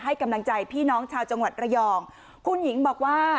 ให้กำลังใจพี่น้องชาวจังหวัดระยองคุณหญิงบอกว่า